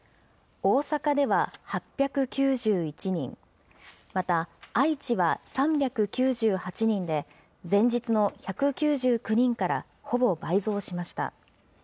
大阪では８９１人、また愛知は３９８人で、前日の１９９人からほぼ倍増しました。